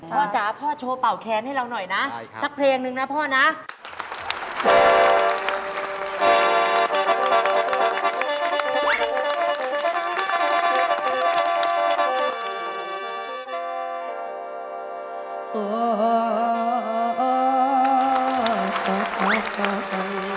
พ่อจ๋าพ่อโชว์เป่าแค้นให้เราหน่อยนะชักเพลงหนึ่งนะพ่อนะใช่ครับ